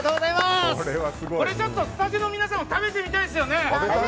これ、スタジオの皆さんも食べてみたいですよね。